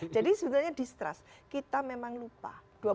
jadi sebenarnya distrust kita memang lupa